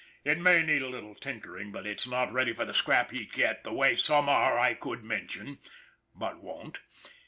" It may need a little tinkering, but it's not ready for the scrap heap yet, the way some are I could mention but won't.